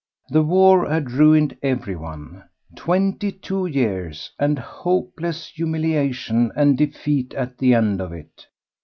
The war had ruined everyone. Twenty two years! and hopeless humiliation and defeat at the end of it.